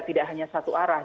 tidak hanya satu arah